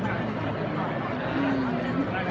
จริงนี่ต้องเลือกนานไปค่ะ